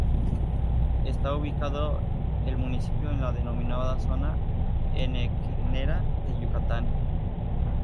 Está ubicado el municipio en la denominada zona henequenera de Yucatán.